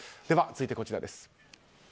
では、続いてこちらです。